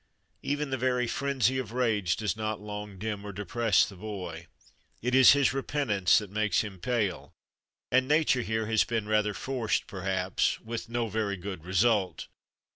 Even the very frenzy of rage does not long dim or depress the boy. It is his repentance that makes him pale, and Nature here has been rather forced, perhaps with no very good result.